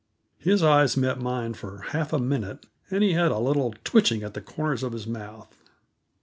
His eyes met mine for half a minute, and he had a little twitching at the corners of his mouth.